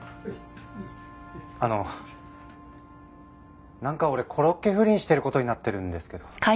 あのなんか俺コロッケ不倫してる事になってるんですけど。